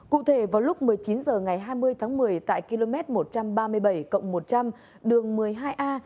cụ thể vào lúc một mươi chín h ngày hai mươi tháng một mươi tại km một trăm ba mươi bảy một trăm linh đường một mươi hai a